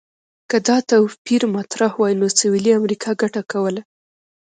که دا توپیر مطرح وای، نو سویلي امریکا ګټه کوله.